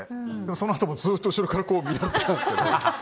その後もずっと後ろから見張ってたんですけど。